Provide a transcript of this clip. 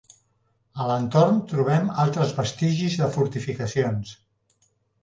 A l'entorn trobem altres vestigis de fortificacions.